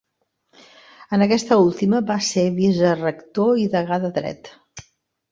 En aquesta última va ser vicerector i degà de Dret.